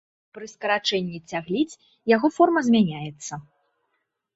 Пры скарачэнні цягліц яго форма змяняецца.